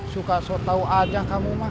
suka tahu aja kamu mah